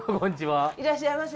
いらっしゃいませ。